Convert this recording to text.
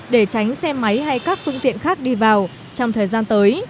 để tránh xe máy hay các phương tiện khác đi vào trong thời gian tới